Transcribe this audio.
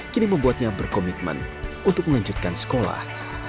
kini membuatnya berkomitmen untuk melanjutkan sekolah